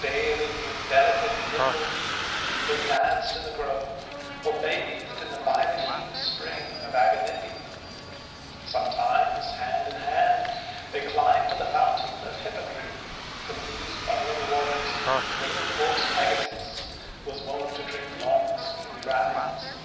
Daily, with delicate nimble feet they danced in the Grove, or bathed in the violet hued spring of Aganippe. Sometimes, hand in hand, they climbed to the Fountain of Hippocrene, from whose bubbling waters the winged horse Pegasus was wont to drink long sweet draughts.